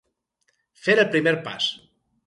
Fer el primer pas.